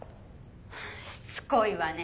しつこいわね。